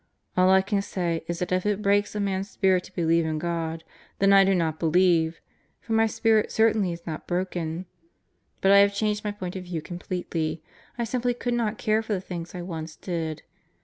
All I can say is that if it breaks a man's spirit to believe in God, then I do not believe; for my spirit certainly is not broken. But I have changed my point of view completely. I simply could not care for the things I once did.